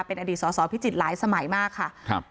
เป็นอดีตสอสอพิจิตรหลายสมัยมากค่ะครับ